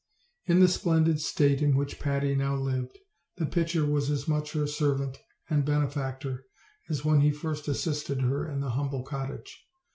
In the splendid state in which Patty now lived the pitcher was as much her servant and benefactor as when he first assisted her in the humble cottage.